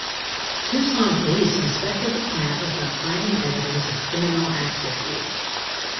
Tucson police inspected the plant without finding evidence of criminal activity.